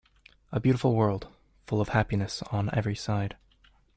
A beautiful world, full of happiness on every side.